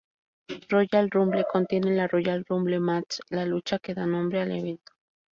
Royal Rumble contiene la Royal Rumble Match, la lucha que da nombre al evento.